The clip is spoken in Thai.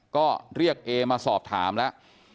ก็เรียกเอมาสอบถามแล้ว